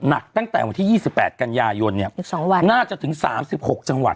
หนักตั้งแต่วันที่ยี่สิบแปดกันยายนเนี้ยอีกสองวันน่าจะถึงสามสิบหกจังหวัด